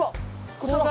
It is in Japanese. こちら？